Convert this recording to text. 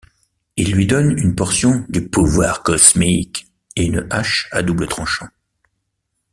Il lui donne une portion du pouvoir cosmique et une hache à double tranchant.